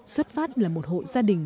xuất phát là một hộ gia đình